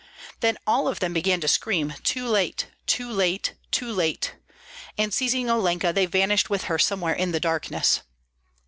Then all of them began to scream: "Too late, too late, too late!" and seizing Olenka they vanished with her somewhere in darkness.